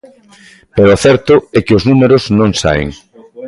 Pero o certo é que os números non saen.